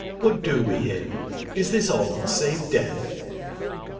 dbat do wc bcrc ? is this aught save death?